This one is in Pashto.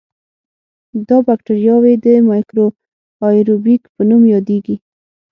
دا بکټریاوې د میکرو آئیروبیک په نوم یادیږي.